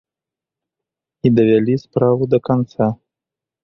І давялі справу да канца.